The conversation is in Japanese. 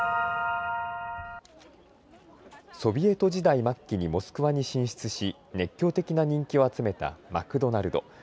ソビエト時代末期にモスクワに進出し熱狂的な人気を集めたマクドナルド。